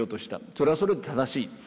それはそれで正しい。